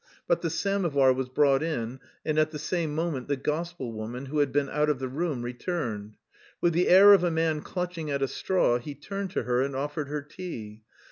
But the samovar was brought in, and at the same moment the gospel woman, who had been out of the room, returned. With the air of a man clutching at a straw he turned to her and offered her tea.